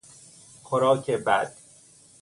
خوراک بد